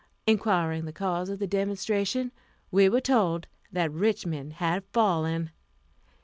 Inquiring the cause of the demonstration, we were told that Richmond had fallen.